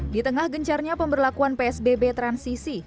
di tengah gencarnya pemberlakuan psbb transisi